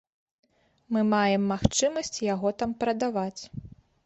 Мы маем магчымасць яго там прадаваць.